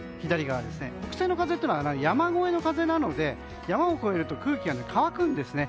北西の風というのは山越えの風なので山を越えると空気が乾くんですね。